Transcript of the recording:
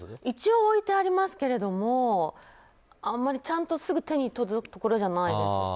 一応置いてありますけどあまりちゃんとすぐ手に届くところじゃないです。